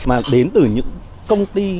mà đến từ những công ty